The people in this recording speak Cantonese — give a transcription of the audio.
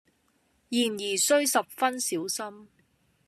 然而須十分小心。